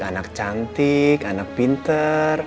anak cantik anak pinter